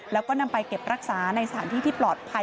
แล้วก็นำไปเก็บรักษาในสถานที่ที่ปลอดภัย